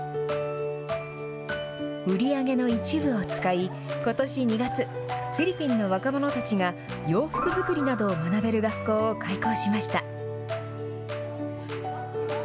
売り上げの一部を使いことし２月フィリピンの若者たちが洋服作りなどを学べる学校を開校しました。